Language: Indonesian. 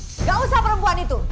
enggak usah perempuan itu